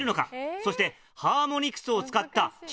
そしてハーモニクスを使った。